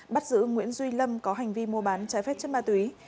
bắt giữ nguyễn duy lâm có hành vi mua bán trái phép chất ma túy